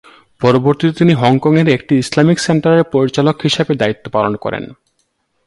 পরবর্তীতে তিনি হংকংয়ের একটি ইসলামিক সেন্টার এর পরিচালক হিসেবে দায়িত্ব পালন করেন।